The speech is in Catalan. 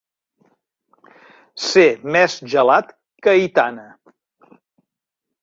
Ser més gelat que Aitana.